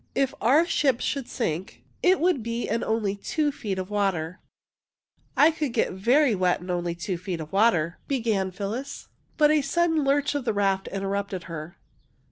If our ship should sink, it would be in only two feet of water." ^' 1 could get very wet in only two feet of water," began Phyllis, but a sudden lurch of the raft interrupted her.